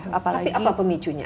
tapi apa pemicunya